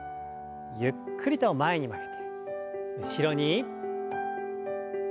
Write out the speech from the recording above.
ゆっくりと前に曲げて後ろに。